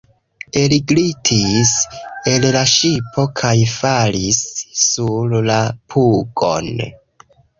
Elglitis el la ŝipo kaj falis sur la pugon.